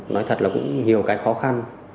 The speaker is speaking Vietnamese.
nói thật là cũng nhiều cái khó khăn